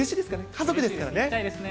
家族ですからね。